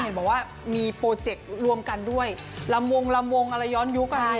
เห็นบอกว่ามีโปรเจกต์รวมกันด้วยลำวงลำวงอะไรย้อนยุค